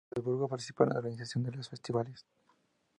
En Salzburgo participó en la organización de los festivales.